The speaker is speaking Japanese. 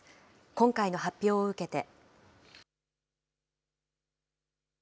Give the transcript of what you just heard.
今回の発表を受けて。